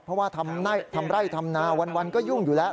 เพราะว่าทำไร่ทำนาวันก็ยุ่งอยู่แล้ว